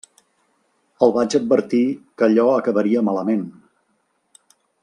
El vaig advertir que allò acabaria malament.